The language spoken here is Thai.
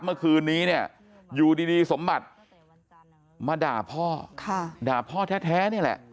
เมื่อคืนนี้เนี่ยอยู่ดีสมบัติมาด่าพ่อด่าพ่อแท้นี่แหละ